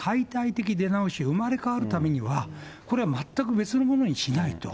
だから新しく解体的出直し、生まれ変わるためには、これは全く別のものにしないと。